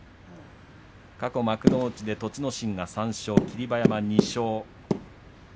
過去、幕内で栃ノ心が３勝霧馬山、２勝。